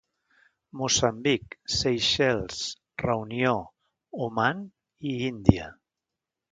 Moçambic, Seychelles, Reunió, Oman i Índia.